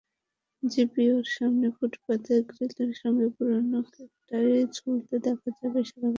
জিপিওর সামনের ফুটপাতের গ্রিলের সঙ্গে পুরোনো কোট-টাই ঝুলতে দেখা যাবে সারা বছর।